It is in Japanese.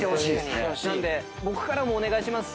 なんで僕からもお願いします